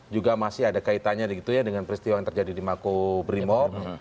juga masih ada kaitannya dengan peristiwa yang terjadi di mako brimor